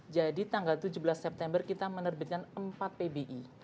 jadi tanggal tujuh belas september kita menerbitkan empat pbi